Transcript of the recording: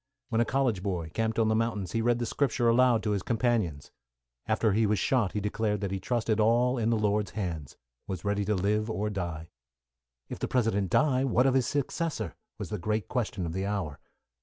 When a college boy, camped on the mountains, he read the Scriptures aloud to his companions. After he was shot, he declared that he trusted all in the Lord's hand was ready to live or die. "If the President die, what of his successor?" was the great question of the hour.